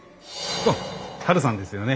ハルさんですよね。